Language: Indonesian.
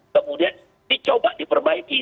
kemudian dicoba diperbaiki